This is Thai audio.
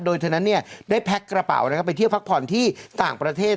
โดยเธอนั้นได้แพ็คกระเป๋านะครับไปเที่ยวพักผ่อนที่ต่างประเทศ